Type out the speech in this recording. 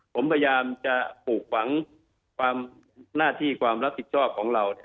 ผมพยายามจะปลูกฝังความหน้าที่ความรับผิดชอบของเรา